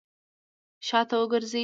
شاته وګرځئ!